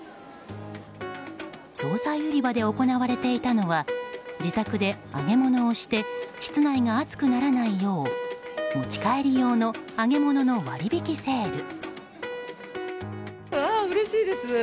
総菜売り場で行われていたのは自宅で揚げ物をして室内が暑くならないよう持ち帰り用の揚げ物の割引セール。